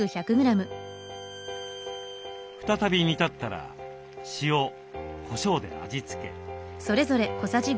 再び煮立ったら塩こしょうで味付け。